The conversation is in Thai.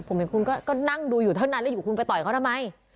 ผมเห็นคุณก็นั่งดูอยู่เท่านั้นแล้วอยู่คุณไปต่อยเขาทำไม